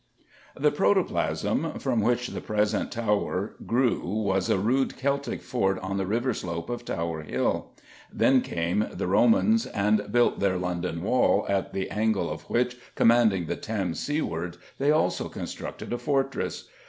The protoplasm from which the present Tower grew was a rude Celtic fort on the river slope of Tower Hill. Then came the Romans and built their London Wall, at the angle of which, commanding the Thames seawards, they also constructed a fortress.